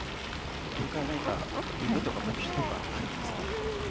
これから何か夢とか目標とかあるんですか？